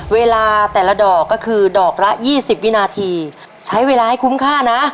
เวลาแต่ละดอกก็คือดอกละ๒๐วินาทีใช้เวลาให้คุ้มค่านะ